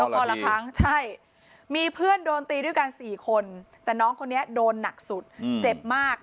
คนละครั้งใช่มีเพื่อนโดนตีด้วยกัน๔คนแต่น้องคนนี้โดนหนักสุดเจ็บมาก